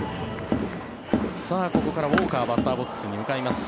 ここからウォーカーバッターボックスに向かいます。